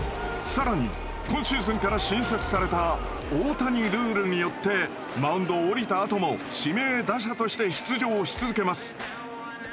更に今シーズンから新設された大谷ルールによってマウンドを降りたあとも指名打者として出場し続けます。